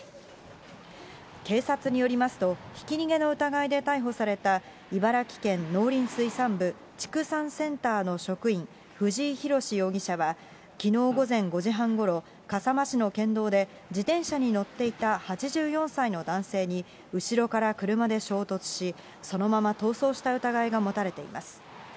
警察によりますと、ひき逃げの疑いで逮捕された、茨城県農林水産部畜産センターの職員、藤井浩容疑者は、きのう午前５時半ごろ、笠間市の県道で、自転車に乗っていた８４歳の男性に、後ろから車で衝突し、そのまま逃走した疑いが持たれています。